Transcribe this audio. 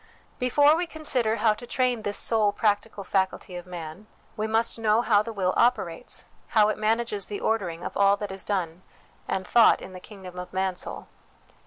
Before we consider how to train this ' sole practical faculty of man/ we must know how the will operates how it manages the ordering of all that is done and thought in the kingdom of Mansoul.